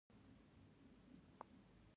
د یونانیانو د ودانیو مواد هم ډبرې وې.